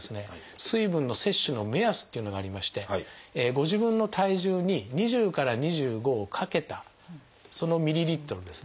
水分の摂取の目安っていうのがありましてご自分の体重に２０から２５を掛けたそのミリリットルですね。